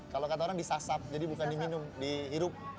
kalau kata orang disasap jadi bukan diminum dihirup